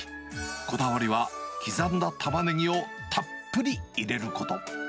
こだわりは、刻んだタマネギをたっぷり入れること。